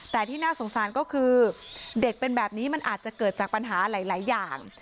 แต่ที่น่าสงสารก็คือเด็กเป็นแบบนี้มันอาจจะเกิดจากปัญหาหลายอย่าง